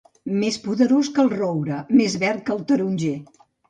Més poderós que el roure, més verd que el taronger.